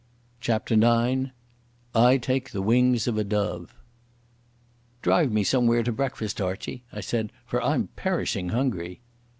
CHAPTER IX I Take the Wings of a Dove "Drive me somewhere to breakfast, Archie," I said, "for I'm perishing hungry."